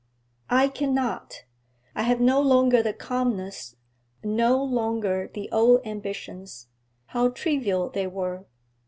'I cannot! I have no longer the calmness, no longer the old ambitions, how trivial they were!'